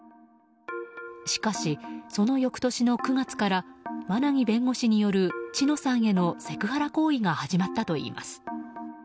しかし、その翌年の９月から馬奈木弁護士による知乃さんへの、セクハラ行為が始まったといいます。